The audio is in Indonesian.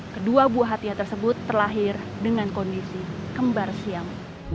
kedua buah hatinya tersebut terlahir dengan kondisi kembar siang